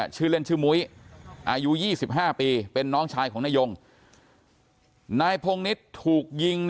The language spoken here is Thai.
ชื่อเล่นชื่อมุ้ยอายุ๒๕ปีเป็นน้องชายของนายงนายพงนิษฐ์ถูกยิง